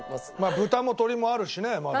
豚も鶏もあるしねまだ。